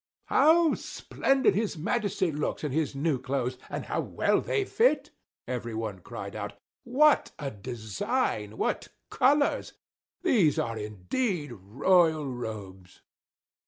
"How splendid his Majesty looks in his new clothes, and how well they fit!" everyone cried out. "What a design! What colors! These are indeed royal robes!"